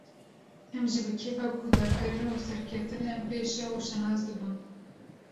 Em jî bi kêfa guhdarkirinê û serkeftinê em pê şa û şanaz dibûn